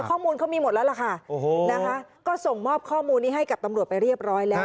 ข้อมูลเขามีหมดแล้วล่ะค่ะโอ้โหนะคะก็ส่งมอบข้อมูลนี้ให้กับตำรวจไปเรียบร้อยแล้ว